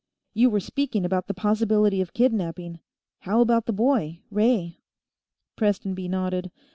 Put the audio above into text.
You were speaking about the possibility of kidnaping; how about the boy? Ray?" Prestonby nodded.